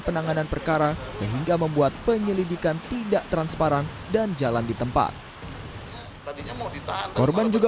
penanganan perkara sehingga membuat penyelidikan tidak transparan dan jalan ditempat korban juga